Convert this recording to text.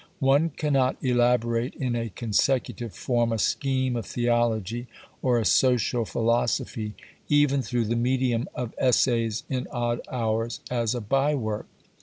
One cannot elaborate in a consecutive form a Scheme of Theology or a Social Philosophy, even through the medium of essays, in odd hours as a bye work.